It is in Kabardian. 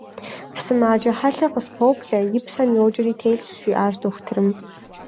– Сымаджэ хьэлъэ къыспоплъэ: и псэм йоджэри телъщ, - жиӏащ дохутырым.